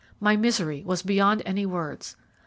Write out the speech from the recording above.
My misery was beyond any words.